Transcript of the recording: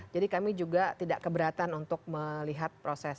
jadi kami juga tidak keberatan untuk melihat proses